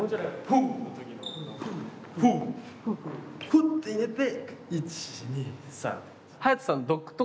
フッて入れて１２３。